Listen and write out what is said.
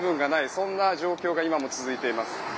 そんな状況が今も続いています。